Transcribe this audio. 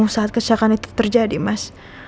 saat kecelakaan itu terjadi mas